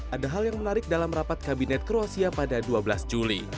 ada hal yang menarik dalam rapat kabinet kroasia pada dua belas juli